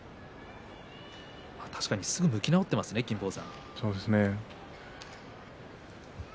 すぐに向き直っていますね金峰山。